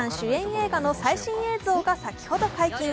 映画の最新映像が先ほど解禁。